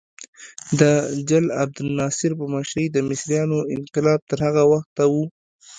د جل عبدالناصر په مشرۍ د مصریانو انقلاب تر هغه وخته و.